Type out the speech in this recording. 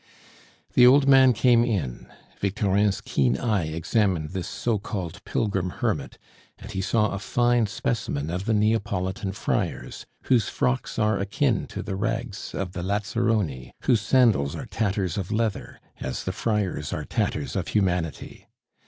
The old man came in. Victorin's keen eye examined this so called pilgrim hermit, and he saw a fine specimen of the Neapolitan friars, whose frocks are akin to the rags of the lazzaroni, whose sandals are tatters of leather, as the friars are tatters of humanity.